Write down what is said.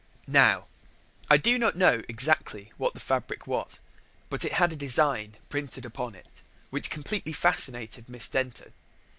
Now, I do not know exactly what the fabric was; but it had a design printed upon it, which completely fascinated Miss Denton.